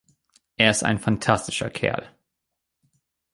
Er ist ein fantastischer Kerl.